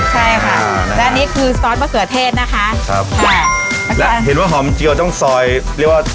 ใช่ค่ะแล้วอันนี้คือซอสมะเขือเทศนะคะครับค่ะแล้วเห็นว่าหอมเจียวต้องซอยเรียกว่า